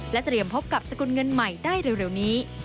เตรียมพบกับสกุลเงินใหม่ได้เร็วนี้